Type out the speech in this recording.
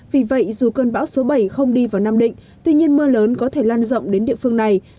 vì vậy dù cơn bão số bảy không đi vào nam định tuy nhiên mưa lớn có thể lan rộng đến địa phương này